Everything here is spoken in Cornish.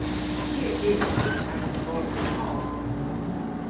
Ty a dyb bos agan broder fol.